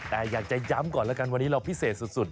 แต่อยากจะย้ำก่อนแล้วกันวันนี้เราพิเศษสุด